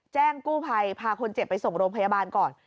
แจ้งกู้ภัยพาคนเจ็บไปส่งโรงพยาบาลก่อน